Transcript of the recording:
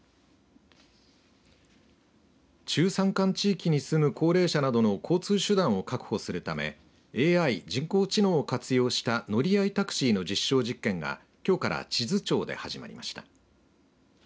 中山間地域に住む高齢者などの交通手段を確保するためＡＩ、人工知能を活用した乗り合いタクシーの実証実験がきょうから智頭町で始まりました。